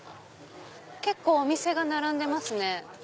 結構お店が並んでますね。